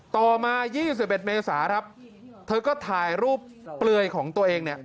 ต่อมา๒๑เมษาครับเธอก็ถ่ายรูปเปลือยของตัวเองเนี่ย